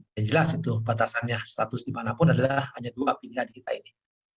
yang jelas itu batasannya status dimanapun adalah hanya dua pilihan kita ini